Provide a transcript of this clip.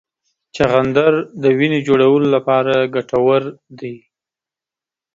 چغندر د وینې جوړولو لپاره ګټور دی.